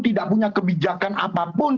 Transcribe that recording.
tidak punya kebijakan apapun